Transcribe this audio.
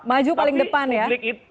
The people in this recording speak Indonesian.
maju paling depan ya